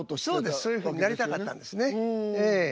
そういうふうになりたかったんですねええ。